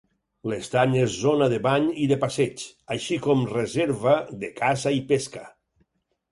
L'estany és zona de bany i de passeig, així com reserva de caça i pesca.